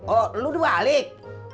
oh lu udah balik